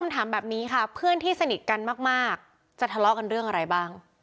ถามแบบนี้ค่ะเพื่อนที่สนิทกันมากจะทะเลาะกันเรื่องอะไรบ้าง